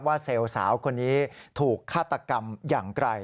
เซลล์สาวคนนี้ถูกฆาตกรรมอย่างไกล